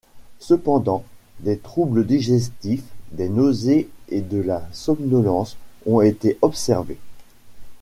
Cependant des troubles digestifs, des nausées et de la somnolence ont été observés.